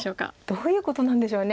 どういうことなんでしょう。